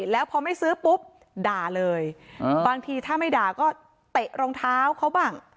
แล้วพอไม่ซื้อปุ๊บด่าเลยบางทีถ้าไม่ด่าก็เตะรองเท้าเขาบ้าง